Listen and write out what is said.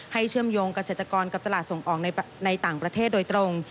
เชื่อมโยงเกษตรกรกับตลาดส่งออกในต่างประเทศโดยตรง